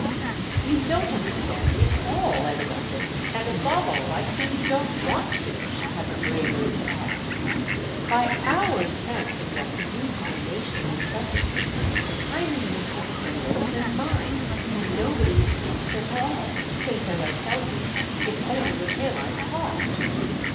"You don't understand me at all—evidently; and above all I see you don't want to!" she had the bravery to add, "By 'our' sense of what's due to the nation in such a case I mean Mr. Crimble's and mine—and nobody's else at all; since, as I tell you, it's only with him I've talked."